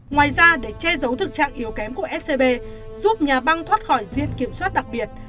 ngoài ra để che giấu thực trạng yếu kém của scb giúp nhà băng thoát khỏi diện kiểm soát đặc biệt